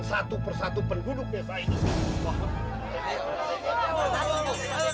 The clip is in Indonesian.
satu persatu penduduk desa ini